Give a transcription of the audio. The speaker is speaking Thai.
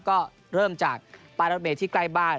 ก็เริ่มจากป้ายรถเมย์ที่ใกล้บ้าน